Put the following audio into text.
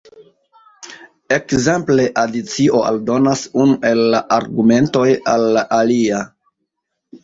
Ekzemple adicio aldonas unu el la argumentoj al la alia.